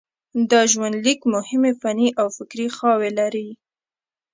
دا ژوندلیک مهمې فني او فکري خواوې لري.